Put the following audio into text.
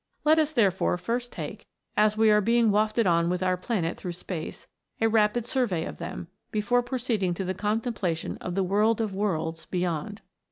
Let us, therefore, first take, as we are being wafted on with our planet through space, a rapid survey of them, before proceeding to the contempla tion of the " world of worlds" beyond.